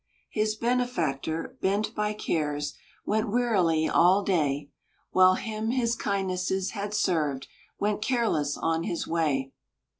His benefactor, bent by cares, Went wearily all day; While him his kindnesses had served Went careless on his way.